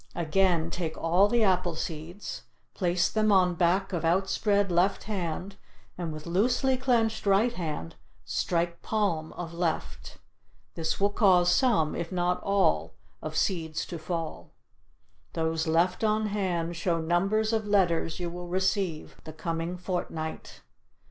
Again, take all the apple seeds, place them on back of outspread left hand and with loosely clenched right hand strike palm of left. This will cause some, if not all, of seeds to fall. Those left on hand show number of letters you will receive the coming fortnight.